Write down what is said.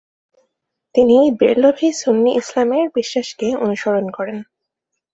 তিনি বেরলভী সুন্নি ইসলামের বিশ্বাসকে অনুসরণ করেন।